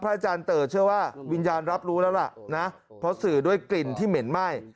อาจารย์เต๋อเชื่อว่าวิญญาณรับรู้แล้วล่ะนะเพราะสื่อด้วยกลิ่นที่เหม็นไหม้